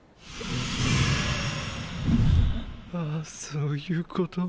あそういうこと？